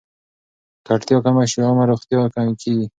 که ککړتیا کمه شي، عامه روغتیا ښه کېږي.